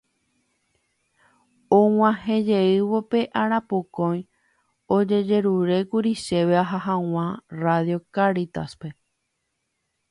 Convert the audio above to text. Og̃uahẽjeývo pe arapokõi ojejerurékuri chéve aha hag̃ua Radio Cáritas-pe.